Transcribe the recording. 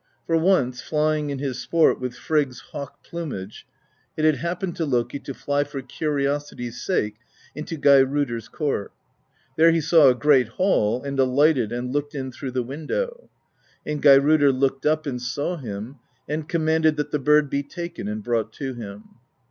For once, flying in his sport with Frigg's hawk plumage, it had happened to Loki to fly for curiosity's sake into Geirrodr's court. There he saw a great hall, and alighted and looked in through the window; and Geirrodr looked up and saw him, and commanded that the bird be taken and brought to him.